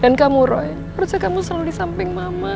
dan kamu roy harusnya kamu selalu di samping mama